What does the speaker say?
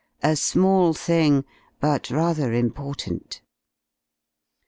A small thing but rather important."